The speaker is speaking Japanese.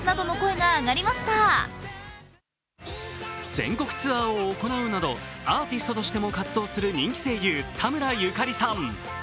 全国ツアーを行うなどアーティストとしても活動する人気声優、田村ゆかりさん。